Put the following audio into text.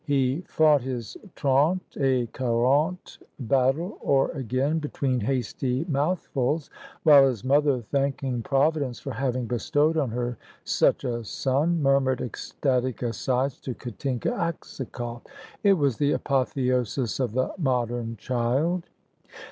He fought his trente et quarante battle o'er again, between hasty mouthfuls, while his mother, thanking Providence for having bestowed on her such a son, murmured ecstatic asides to Katinka Aksakoff. It was the apotheosis of the modern child.